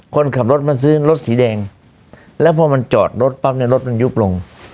คนขับรถมาซื้อรถสีแดงแล้วพอมันจอดรถปั๊บเนี่ยรถมันยุบลง